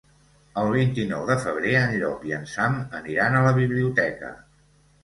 El vint-i-nou de febrer en Llop i en Sam aniran a la biblioteca.